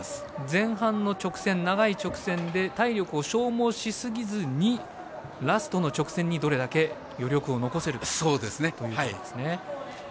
前半の長い直線で体力を消耗しすぎずにラストの直線にどれだけ余力を残せるかということですね。